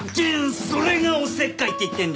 それがおせっかいって言ってるんだ！